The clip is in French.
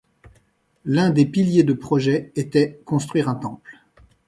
L'un des piliers de projets était construire un temple.